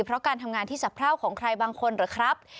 เพราะการทำงานที่สะพร่าวของใครบางคนหรือครับ